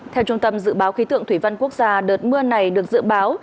theo trung tâm dự báo khí tượng thủy văn quốc gia đợt mưa này được dự báo